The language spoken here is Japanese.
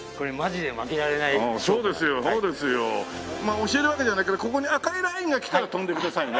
まあ教えるわけじゃないけどここに赤いラインが来たら飛んでくださいね。